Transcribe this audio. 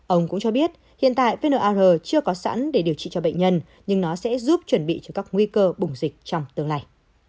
ông cũng cho biết hiện tại pnr chưa có sẵn để điều trị cho bệnh nhân nhưng nó sẽ giúp chuẩn bị cho các nguy cơ bùng dịch trong tương lai